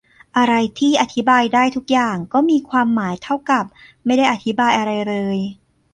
อะไรที่อธิบายได้ทุกอย่างก็มีความหมายเท่ากับไม่ได้อธิบายอะไรเลย